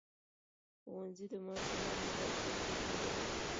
ښوونځي د ماشومانو راتلونکي جوړوي